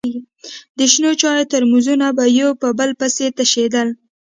د شنو چايو ترموزونه به يو په بل پسې تشېدل.